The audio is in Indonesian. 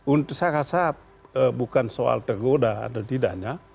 untuk saya rasa bukan soal tergoda atau tidaknya